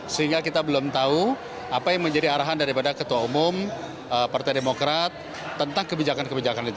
sehingga kita belum tahu apa yang menjadi arahan daripada ketua umum partai demokrat tentang kebijakan kebijakan itu